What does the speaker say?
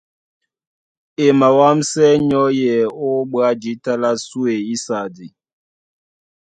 E mawámsɛ́ nyɔ́yɛ nyɔ́yɛ ó bwá jǐta lá sùe ísadi.